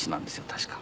確か。